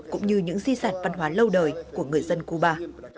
cũng như những di sản văn hóa lâu đời của người dân cuba